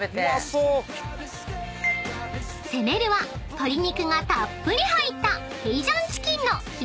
鶏肉がたっぷり入ったケイジャンチキンの機